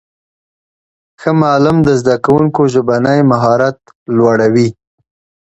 ښه معلم د زدهکوونکو ژبنی مهارت لوړوي.